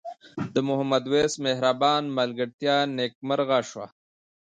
د محمد وېس مهربان ملګرتیا نیکمرغه شوه.